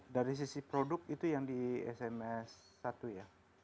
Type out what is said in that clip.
dari sisi produk itu yang di sms satu ya